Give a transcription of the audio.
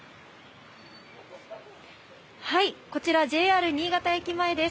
こちら、ＪＲ新潟駅前です。